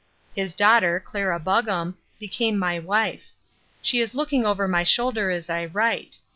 His daughter, Clara Buggam, became my wife. She is looking over my shoulder as I write.